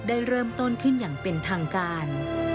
ได้เริ่มต้นขึ้นอย่างเป็นทางการ